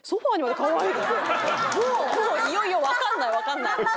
もういよいよわかんないわかんない。